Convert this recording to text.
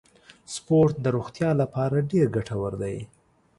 سپورت د روغتیا لپاره ډیر ګټور دی.